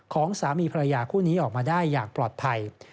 สามีภรรยาคู่นี้ออกมาได้อย่างปลอดภัย